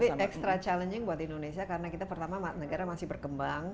tapi extra challenging buat indonesia karena kita pertama negara masih berkembang